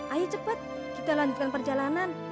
ayo cepat kita lanjutkan perjalanan